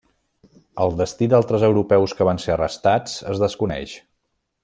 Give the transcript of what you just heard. El destí d'altres europeus que van ser arrestats es desconeix.